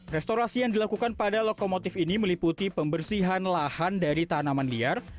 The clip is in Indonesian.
restorasi yang dilakukan pada lokomotif ini meliputi pembersihan lahan dari tanaman liar